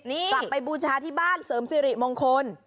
กลับไปบูชาที่บ้านเสริมสิริมงคล